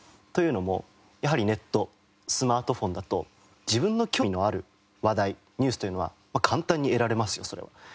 というのもやはりネットスマートフォンだと自分の興味のある話題ニュースというのは簡単に得られますよそれは。